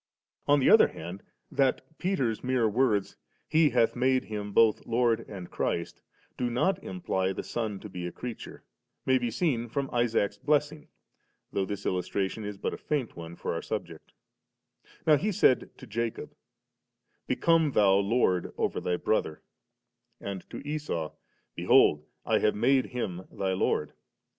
On the other hand, that Peter's mere words, * He hath made Him both Lord and Christ,' do not imply the Son to be a creature, may be seen firom Isaac's blessing, though this illustration is but a faint one for our subject Now he said to Jacob, * Become thou lord over thy brother;' and to Esau, * Behold, I have made him thy lord